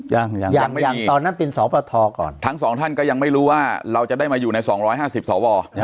ยังยังยังตอนนั้นเป็นสวรรค์ประทอก่อนทั้งสองท่านก็ยังไม่รู้ว่าเราจะได้มาอยู่ในสองร้อยห้าสิบสวรรค์